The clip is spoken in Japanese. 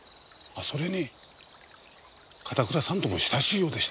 あそれに片倉さんとも親しいようでした。